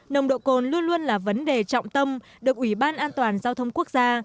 nồng độ cồn luôn luôn là vấn đề trọng tâm được ủy ban an toàn giao thông quốc gia